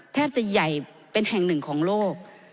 แทบจะใหญ่เป็นแห่งหนึ่งของโลก